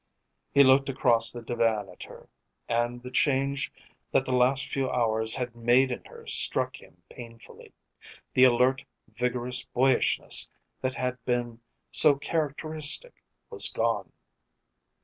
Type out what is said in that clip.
He looked across the divan at her, and the change that the last few hours had made in her struck him painfully. The alert, vigorous boyishness that had been so characteristic was gone.